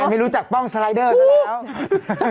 ไม่รู้จักป้องสไลเดอร์ซะแล้ว